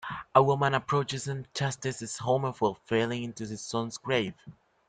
A woman approaches and chastises Homer for falling into her son's grave.